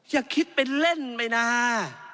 อย่าคิดเป็นเล่นไปนะ